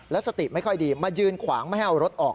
แล้วสติไม่ค่อยดีมายืนขวางไม่ให้เอารถออก